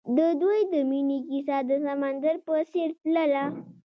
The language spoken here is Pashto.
د دوی د مینې کیسه د سمندر په څېر تلله.